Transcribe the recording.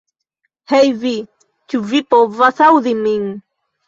Hej vi, ĉu vi povas aŭdi min?